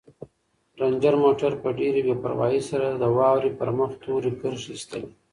رنجر موټر په ډېرې بې پروايۍ سره د واورې پر مخ تورې کرښې ایستلې.